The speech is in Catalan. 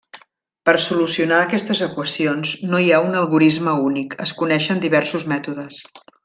Per solucionar aquestes equacions, no hi ha un algorisme únic, es coneixen diversos mètodes.